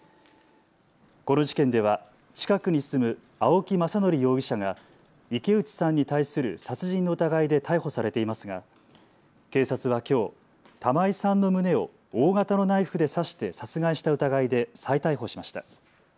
この事件では近くに住む青木政憲容疑者が池内さんに対する殺人の疑いで逮捕されていますが警察はきょう玉井さんの胸を大型のナイフで刺して殺害した疑いで再逮捕しました。